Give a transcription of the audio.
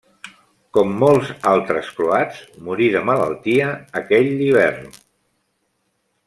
Com molts altres croats morí de malaltia aquell l'hivern.